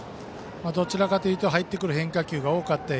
どちらかというと入ってくる変化球が多くて